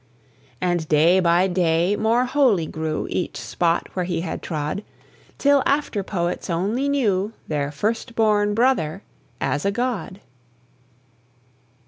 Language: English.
And day by day more holy grew Each spot where he had trod, Till after poets only knew Their first born brother as a god.